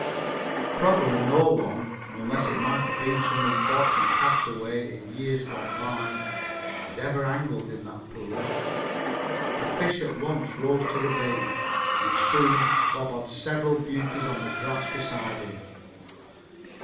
Probably no one, unless it might have been some unfortunate castaway in years gone by, had ever angled in that pool. The fish at once rose to the bait, and soon Bob had several beauties on the grass beside him.